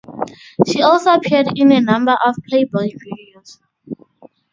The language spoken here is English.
She also appeared in a number of "Playboy" videos.